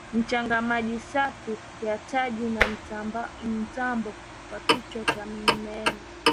Mchanga maji safi ya taji na mtazamo wa kisiwa cha Mnemba